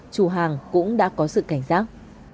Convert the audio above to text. chủ hàng cũng đã có sự cảnh giác